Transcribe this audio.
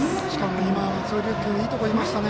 今、松尾龍樹君いいところにいましたね。